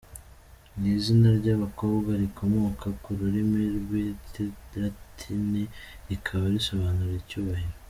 Ni izina ry’abakobwa rikomoka ku rurimi rw’Ikilatini rikaba risobanura “Icyubahiro”.